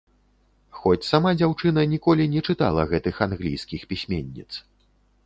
Хоць сама дзяўчына ніколі не чытала гэтых англійскіх пісьменніц.